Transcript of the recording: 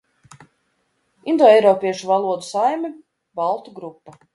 Indoeiropiešu valodu saime baltu grupa.